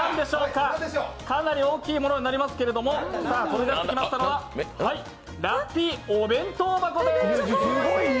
かなり大きいものになりますけれども、はい、ラッピーお弁当箱です。